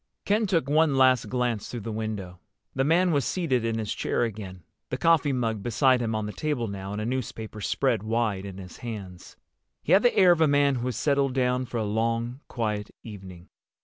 Ken took one last glance through the window. The man was seated in his chair again, the coffee mug beside him on the table now and a newspaper spread wide in his hands. He had the air of a man who has settled down for a long quiet evening.